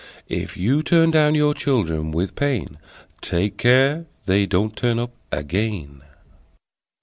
If you turn down your children, with pain, Take care they don't turn up again!